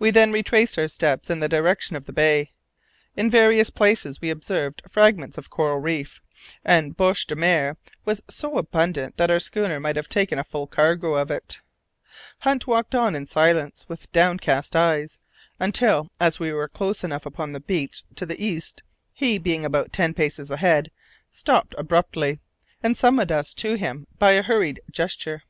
We then retraced our steps in the direction of the bay. In various places we observed fragments of coral reef, and bêche de mer was so abundant that our schooner might have taken a full cargo of it. Hunt walked on in silence with downcast eyes, until as we were close upon the beach to the east, he, being about ten paces ahead, stopped abruptly, and summoned us to him by a hurried gesture.